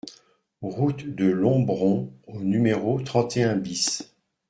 Route de Lombron au numéro trente et un BIS